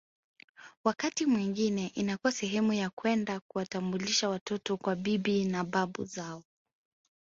Wakati mwingine inakuwa sehemu ya kwenda kuwatambulisha watoto kwa bibi na babu zao